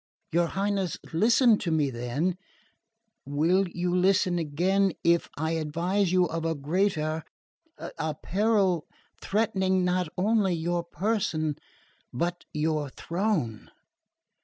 Your Highness listened to me then; will you listen again if I advise you of a greater a peril threatening not only your person but your throne?"